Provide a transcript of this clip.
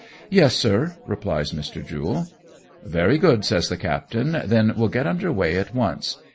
" Yes, sir," replies Mr. Jule. " Very good," says the captain :" then we'll get under weigh at once.